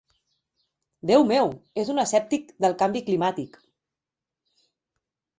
Déu meu! És un escèptic del canvi climàtic.